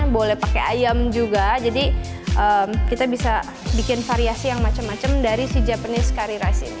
boleh pakai ayam juga jadi kita bisa bikin variasi yang macam macam dari si japanese curry rice ini